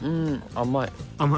甘い。